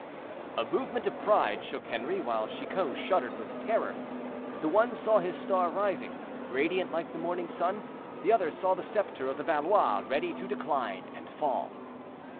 A movement of pride shook Henri, while Chicot shuddered with terror. The one saw his star rising, radiant like the morning sun; the other saw the scepter of the Valois ready to decline and fall.